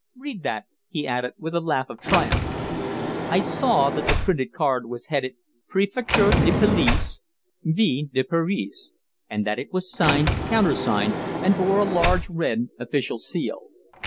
"Read that!" he added, with a laugh of triumph. I saw that the printed card was headed "Préfecture de Police, Ville de Paris," and that it was signed, countersigned, and bore a large red official seal.